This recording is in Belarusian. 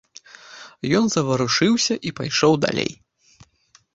Ён заварушыўся і пайшоў далей.